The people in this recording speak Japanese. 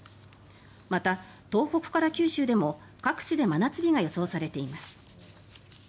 また、東北から九州でも各地で真夏日が予想されています。